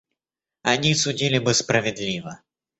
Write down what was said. Они судили бы справедливо.